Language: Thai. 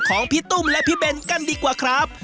ของพี่ตุ้มและพี่เบนกันดีกว่าครับ